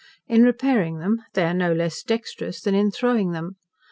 In repairing them they are no less dexterous than in throwing them.